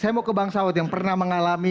saya mau ke bang saud yang pernah mengalami